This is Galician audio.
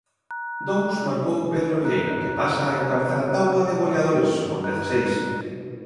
Dous marcou Pedro Abelleira, que pasa a encabezar a táboa de goleadores, con dezaseis.